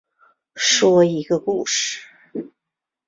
说一个故事